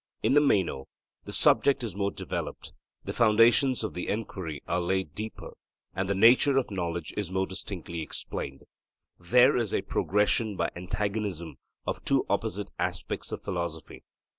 In the Meno the subject is more developed; the foundations of the enquiry are laid deeper, and the nature of knowledge is more distinctly explained. There is a progression by antagonism of two opposite aspects of philosophy.